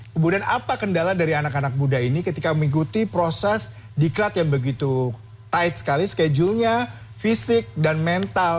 kemudian apa kendala dari anak anak muda ini ketika mengikuti proses diklat yang begitu tight sekali schedule nya fisik dan mental